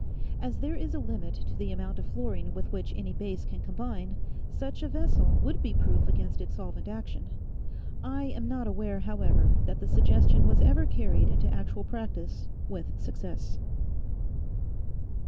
As there is a limit to the amount of fluorine with which any base can combine, such a vessel would be proof against its solvent action. I am not aware, however, that the suggestion was ever carried into actual practice with success.